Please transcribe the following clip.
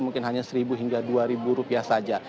mungkin hanya satu hingga dua rupiah saja